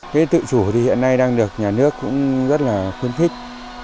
cái tự chủ thì hiện nay đang được nhà nước cũng rất là khuyến khích